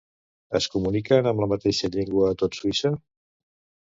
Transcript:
Es comuniquen amb la mateixa llengua a tot Suïssa?